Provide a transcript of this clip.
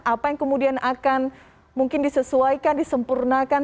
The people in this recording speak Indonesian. apa yang kemudian akan mungkin disesuaikan disempurnakan